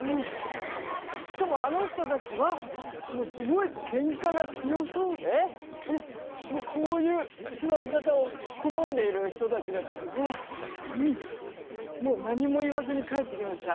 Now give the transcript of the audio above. しかもあの人たちはもうすごいけんかが強そうでもうこういう座り方を好んでいる人たちだったのでもう何も言わずに帰ってきました。